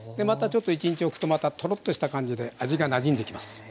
またちょっと１日おくととろっとした感じで味がなじんできます。